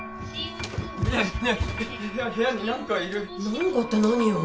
なんかって何よ